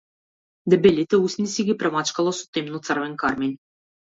Дебелите усни си ги премачкала со темно-црвен кармин.